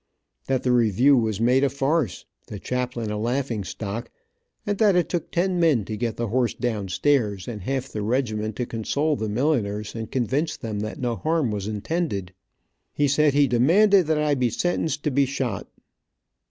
That the review was made a farce, the chaplain a laughing stock, and that it took ten men to get the horse down stairs, and half the regiment to console the milliners, and convince them that no harm was intended. He said he demanded that I be sentenced to be shot.